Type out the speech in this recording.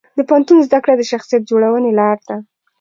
د پوهنتون زده کړه د شخصیت جوړونې لار ده.